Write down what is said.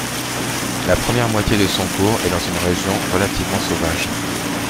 La première moitié de son cours est dans une région relativement sauvage.